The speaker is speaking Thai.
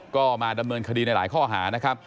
ก็มาดำเนินคดีในหลายข้อหานะครับ